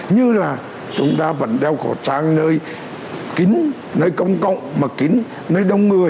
như là chúng ta vẫn đeo khẩu trang nơi kín nơi công cộng mà kín nơi đông người